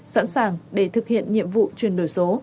sẵn sàng để thực hiện nhiệm vụ chuyển đổi số